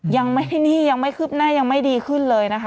ยังไม่นี่ยังไม่คืบหน้ายังไม่ดีขึ้นเลยนะคะ